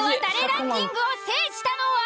ランキングを制したのは？